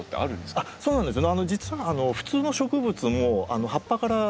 あっそうなんですね。